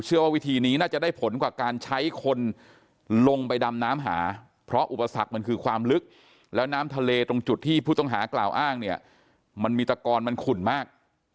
ว่าวิธีนี้น่าจะได้ผลกว่าการใช้คนลงไปดำน้ำหาเพราะอุปสรรคมันคือความลึกแล้วน้ำทะเลตรงจุดที่ผู้ต้องหากล่าวอ้างเนี่ยมันมีตะกอนมันขุ่นมาก